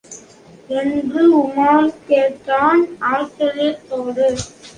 என்று உமார் கேட்டான் ஆச்சரியத்தோடு.